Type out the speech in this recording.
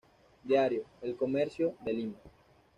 Diario "El Comercio" de Lima.